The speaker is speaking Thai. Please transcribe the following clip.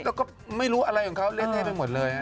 เราก็ไม่รู้อะไรของเขาเล่นเท่ไปหมดเลย